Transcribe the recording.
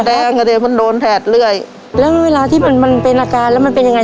แดงอ่ะเดี๋ยวมันโดนแถดเรื่อยแล้วเวลาที่มันมันเป็นอาการแล้วมันเป็นยังไง